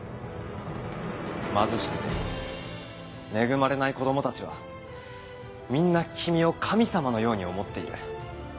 貧しくて恵まれない子どもたちはみんな君を神様のように思っている。